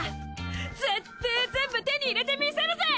ぜってェ全部手に入れてみせるぜ！